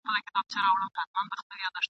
لکه سوی لکه هوسۍ، دی هم واښه خوري ..